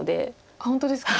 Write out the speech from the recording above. あっ本当ですか。